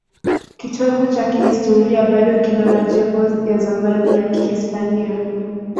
Kitovu cha kihistoria bado kina majengo ya zamani ya Kihispania.